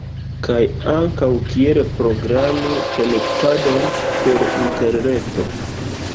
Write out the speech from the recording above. Kaj ankaŭ kiel programi konektadon per interreto